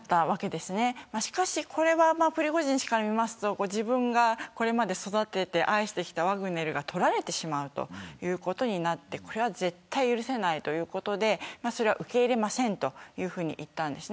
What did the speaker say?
しかし、これはプリゴジン氏から見ると自分が、これまで育てて愛してきたワグネルが取られてしまうということになって絶対許せないということで受け入れませんと言ったんです。